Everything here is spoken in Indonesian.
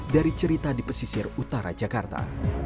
dari cerita di pesisir utara jakarta